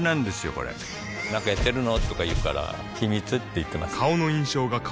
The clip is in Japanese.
これなんかやってるの？とか言うから秘密って言ってます